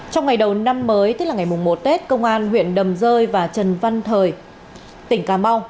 trong ngày đầu năm mới tức là ngày một tết công an huyện đầm rơi và trần văn thời tỉnh cà mau